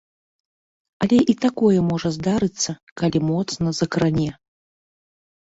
Але і такое можа здарыцца, калі моцна закране.